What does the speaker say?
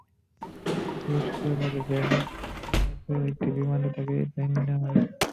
গতকাল বৃহস্পতিবার রাতে ব্যাংকক এয়ারওয়েজের একটি বিমানে করে তাঁকে ব্যাংকক নেওয়া হয়।